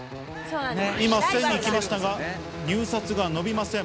今、１０００人来ましたが、入札が伸びません。